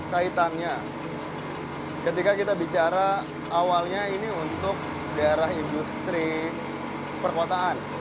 kaitannya ketika kita bicara awalnya ini untuk daerah industri perkotaan